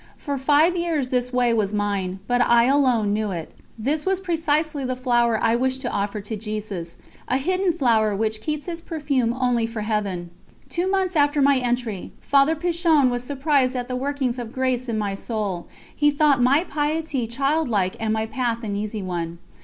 For five years this way was mine, but I alone knew it; this was precisely the flower I wished to offer to Jesus, a hidden flower which keeps its perfume only for Heaven. Two months after my entry Father Pichon was surprised at the workings of grace in my soul; he thought my piety childlike and my path an easy one.